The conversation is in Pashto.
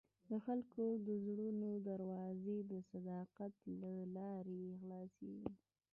د خلکو د زړونو دروازې د صداقت له لارې خلاصېږي.